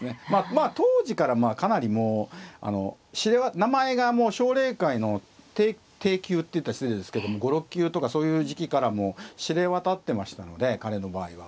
まあ当時からかなりもう名前がもう奨励会の低級って言ったら失礼ですけども５６級とかそういう時期からもう知れ渡ってましたので彼の場合は。